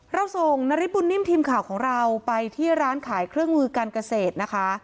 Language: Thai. เราส่งนาริสบุญนิ่มทีมข่าวของเราไปที่ร้านขายเครื่องมือการเกษตรนะคะ